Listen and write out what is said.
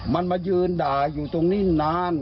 มันมายืนด่าอยู่ตรงนี้นาน